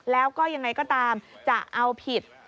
แล้วก็ยังไงก็ตามจะเอาผิด